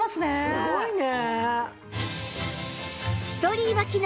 すごいね。